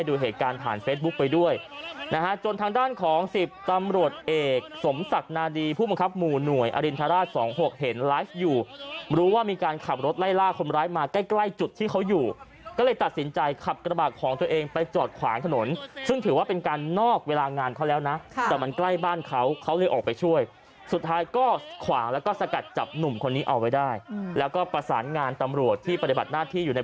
ดูเหตุการณ์ผ่านเฟซบุ๊คไปด้วยนะฮะจนทางด้านของ๑๐ตำรวจเอกสมศักดิ์นาดีผู้บังคับหมู่หน่วยอรินทราช๒๖เห็นไลฟ์อยู่รู้ว่ามีการขับรถไล่ล่าคนร้ายมาใกล้จุดที่เขาอยู่ก็เลยตัดสินใจขับกระบาดของตัวเองไปจอดขวางถนนซึ่งถือว่าเป็นการนอกเวลางานเขาแล้วนะแต่มันใกล้บ้านเขาเขาเลยออกไปช่วยสุดท้าย